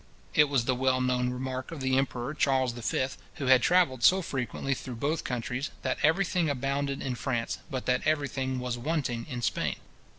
It was the well known remark of the emperor Charles V. who had travelled so frequently through both countries, that every thing abounded in France, but that every thing was wanting in Spain.